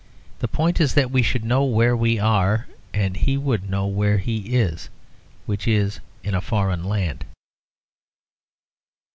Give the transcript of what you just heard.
The point is that we should know where we are; and he would know where he is, which is in a foreign land.